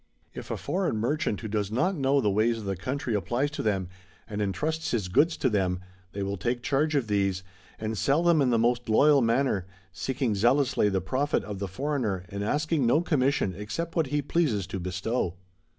[If a foreign merchant who does not know the ways of the country applies to them and entrusts his goods to them, they will take charge of these, and sell them in the most loyal manner, seeking zealously the profit of the foreigner and asking no commission except what he pleases to bestow.